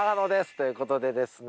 ということでですね